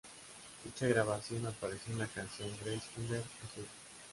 Dicha grabación apareció en la canción "Grace Under Pressure".